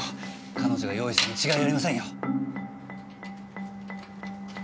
彼女が用意したに違いありませんよ。